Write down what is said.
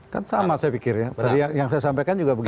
kan sama saya pikir ya tadi yang saya sampaikan juga begini